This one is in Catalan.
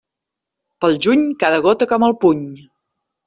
Pel juny, cada gota com el puny.